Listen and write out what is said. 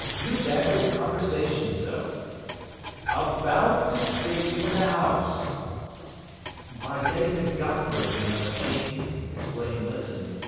"You bag the conversation so." " about disgracing the house." "By getting the Gotford, you know, Sheen," explained Linton.